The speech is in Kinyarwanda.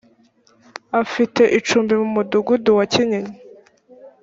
afite icumbi mu mudugudu wa kinyinya